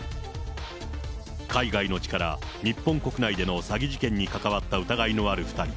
海外の地から日本国内での詐欺事件に関わった疑いのある２人。